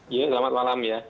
iya selamat malam ya